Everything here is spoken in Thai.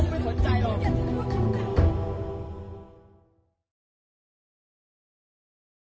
โปรดติดตามตอนต่อไป